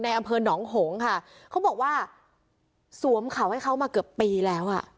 อำเภอหนองหงค่ะเขาบอกว่าสวมเขาให้เขามาเกือบปีแล้วอ่ะ